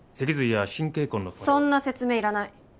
そんな説明いらない。